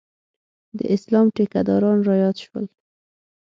د اسلام ټیکداران رایاد شول.